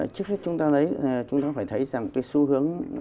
trước hết chúng ta phải thấy rằng cái xu hướng